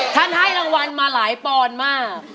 ท่านให้รางวัลมาหลายปอนมาก